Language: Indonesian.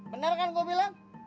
bener kan gue bilang